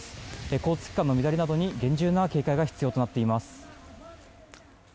交通機関の乱れなどに厳重な警戒が必要です。